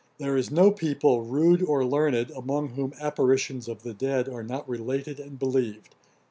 There is no people, rude or learned, among whom apparitions of the dead are not related and believed.